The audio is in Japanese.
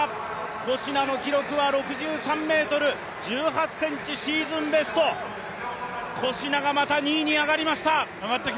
コシナの記録は６３ｍ１８ｃｍ、シーズンベスト、コシナがまた２位に上がりました。